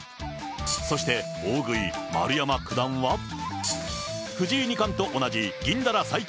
そして大食い、丸山九段は、藤井二冠と同じ、銀だら西京